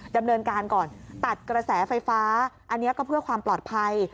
ดำเนินการก่อนตัดกระแสไฟฟ้าอันนี้ก็เพื่อความปลอดภัย